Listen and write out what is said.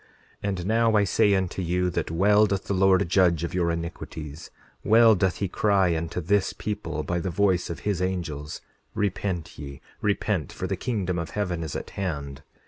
10:20 And now I say unto you that well doth the Lord judge of your iniquities; well doth he cry unto this people, by the voice of his angels: Repent ye, repent, for the kingdom of heaven is at hand.